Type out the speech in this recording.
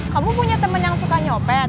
kamu punya temen yang suka nyopet